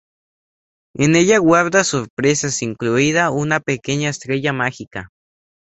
En ella guarda sorpresas, incluida una pequeña estrella mágica.